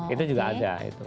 itu juga ada